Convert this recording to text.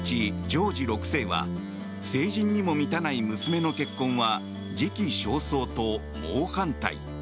ジョージ６世は成人にも満たない娘の結婚は時期尚早と猛反対。